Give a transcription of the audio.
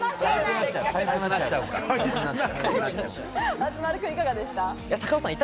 松丸君、いかがでした？